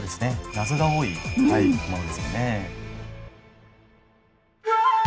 謎が多いものですよね。